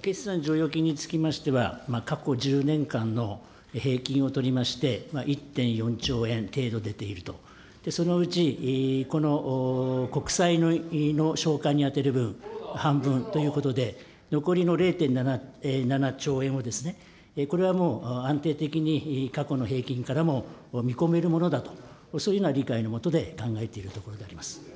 決算剰余金につきましては、過去１０年間の平均を取りまして、１．４兆円程度出ていると、そのうち、この国債の償還に充てる分、半分ということで、残りの０．７兆円をですね、これはもう、安定的に過去の平均からも見込めるものだと、そういうような理解のもとで考えているところであります。